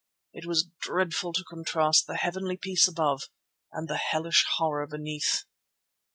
It was dreadful to contrast the heavenly peace above and the hellish horror beneath.